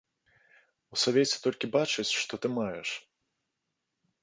У савеце толькі бачаць, што ты маеш.